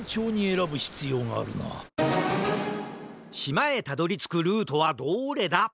しまへたどりつくルートはどれだ？